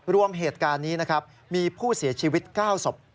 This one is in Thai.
รวมเหตุการณ์นี้นะครับมีผู้เสียชีวิต๙ศพ